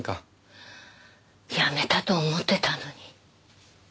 やめたと思ってたのに。